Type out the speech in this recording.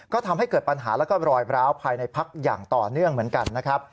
ก็ทำให้เกิดปัญหาแล้วก็รอยร้าวภายในพักอย่างต่อเนื่องเหมือนกันนะครับ